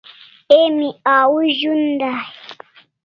Emi au zun dai e ?